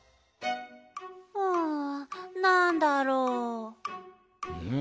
うんなんだろう？